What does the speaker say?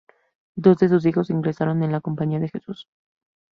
Dos de sus hijos ingresaron en la Compañía de Jesús.